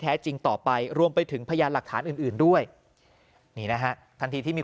แท้จริงต่อไปร่วมไปถึงพยานหลักฐานอื่นด้วยทันทีที่มี